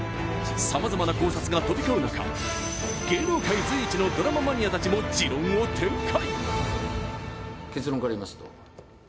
さまざまな考察が飛び交う中芸能界随一のドラママニアたちも持論を展開。